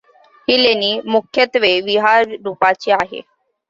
ही लेणी मुख्यत्वे विहार रूपाची आहेत.